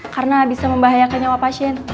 karena bisa membahayakan nyawa pasien